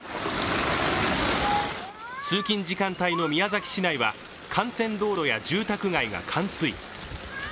通勤時間帯の宮崎市内は幹線道路や住宅街が冠水。